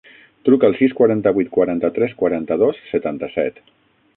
Truca al sis, quaranta-vuit, quaranta-tres, quaranta-dos, setanta-set.